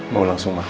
mau langsung masuk